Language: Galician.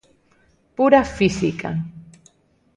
Pura física.